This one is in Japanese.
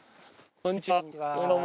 こんにちは。